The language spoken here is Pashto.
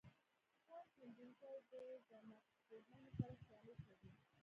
کان کیندونکي د ځمکپوهانو سره سیالي کوي